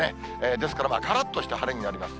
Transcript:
ですからからっとした晴れになります。